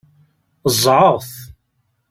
Ẓẓɛeɣ-t.